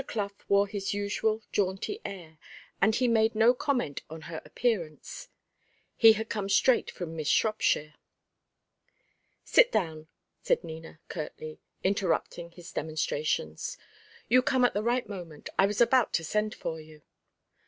Clough wore his usual jaunty air, and he made no comment on her appearance; he had come straight from Miss Shropshire. "Sit down," said Nina, curtly, interrupting his demonstrations. "You come at the right moment. I was about to send for you."